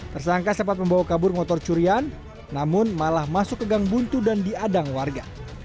tersangka sempat membawa kabur motor curian namun malah masuk ke gang buntu dan diadang warga